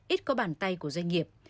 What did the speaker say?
ít có bàn tay của doanh nghiệp